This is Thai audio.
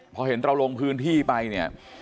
พอเห็นเราลงพื้นที่ไปเนี่ย